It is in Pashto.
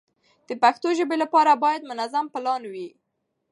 د پښتو ژبې لپاره باید منظم پلان وي.